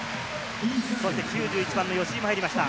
そして９１番の吉井も入りました。